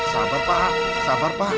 sabar pak sabar pak